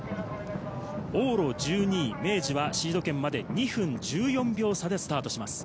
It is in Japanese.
往路１２位の明治はシード権まで２分１４秒差でスタートします。